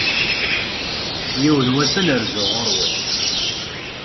Yiwen wass, ad n-rzuɣ ɣur-wen.